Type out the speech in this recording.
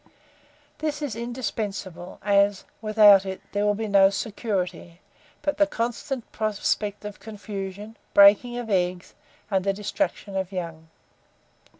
This is indispensable, as, without it, there will be no security, but the constant prospect of confusion, breaking of eggs, and the destruction of young.